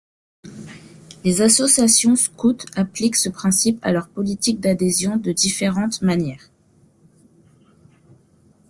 Les associations scoutes appliquent ce principe à leur politique d'adhésion de différentes manières.